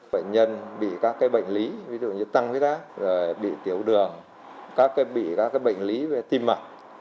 bệnh nhân bị các bệnh lý ví dụ như tăng huyết áp bị tiểu đường bị các bệnh lý về tim mạch